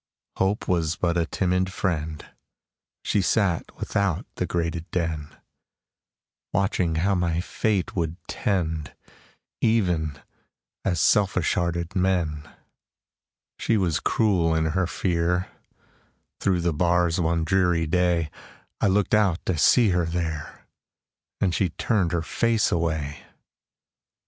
Hope Was but a timid friend; She sat without the grated den, Watching how my fate would tend, Even as selfish hearted men. She was cruel in her fear; Through the bars one dreary day, I looked out to see her there, And she turned her face away!